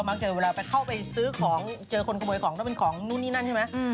เจอเวลาไปเข้าไปซื้อของเจอคนขโมยของแล้วเป็นของนู่นนี่นั่นใช่ไหม